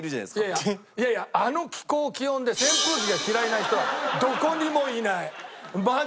いやいやいやいやあの気候気温で扇風機が嫌いな人はどこにもいないマジで。